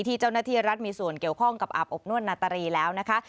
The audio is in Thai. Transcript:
เจ้าหน้าที่รัฐมีส่วนเกี่ยวข้องกับอาบอบนวดนาตรีแล้วนะคะ